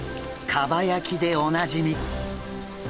蒲焼きでおなじみ。